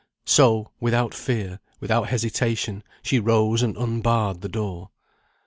So, without fear, without hesitation, she rose and unbarred the door.